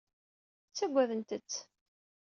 Ttagadent-t.